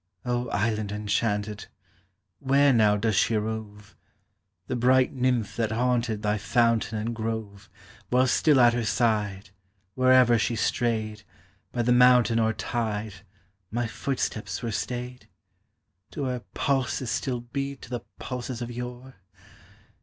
O island enchanted! Where now does she roveâ The bright nymph that haunted Thy fountain and grove, While still at her side, Whereever she strayed, By the mountain or tide, My footsteps were stayed? Do her pulses still beat To the pulses of yore?